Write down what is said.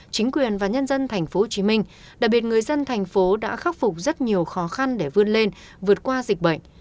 chính quyền và nhân dân tp hcm đặc biệt người dân thành phố đã khắc phục rất nhiều khó khăn để vươn lên vượt qua dịch bệnh